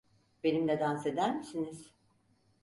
Benimle dans eder misiniz?